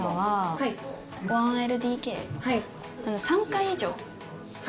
３階以上。